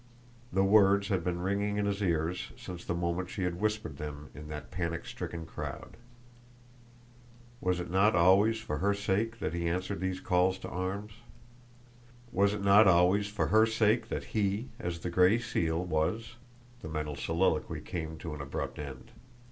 The words had been ringing in his ears since the moment she had whispered them in that panic stricken crowd. Was it not always for her sake that he answered these calls to arms? Was it not always for her sake that he, as the Gray Seal, was The mental soliloquy came to an abrupt end.